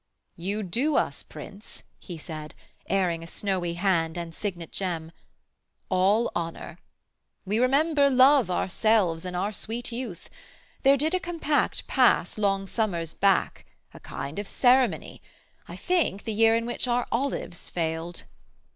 'You do us, Prince,' he said, Airing a snowy hand and signet gem, 'All honour. We remember love ourselves In our sweet youth: there did a compact pass Long summers back, a kind of ceremony I think the year in which our olives failed.